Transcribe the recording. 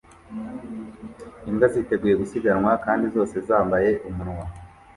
Imbwa ziteguye gusiganwa kandi zose zambaye umunwa